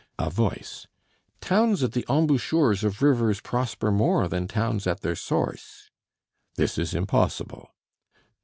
[A Voice 'Towns at the embouchures of rivers prosper more than towns at their source.'] This is impossible.